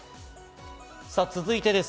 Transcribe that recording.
続いてです。